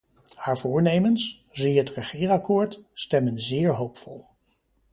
Haar voornemens, zie het regeerakkoord, stemmen zeer hoopvol.